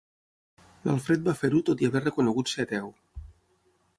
L'Alfred va fer-ho tot i haver reconegut ser ateu.